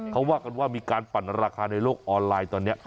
เขาว่ากันว่ามีการปั่นราคาในโลกออนไลน์ตอนนี้